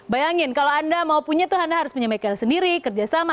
bayangin kalau anda mau punya tuh anda harus punya bengkel sendiri kerja sama